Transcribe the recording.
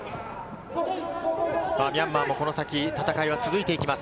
ミャンマーもこの先、戦いは続いていきます。